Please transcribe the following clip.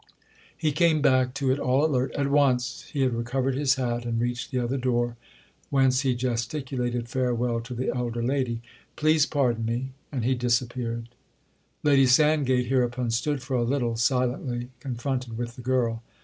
He came back to it all alert "At once!" He had recovered his hat and reached the other door, whence he gesticulated farewell to the elder lady. "Please pardon me"—and he disappeared. Lady Sandgate hereupon stood for a little silently confronted with the girl.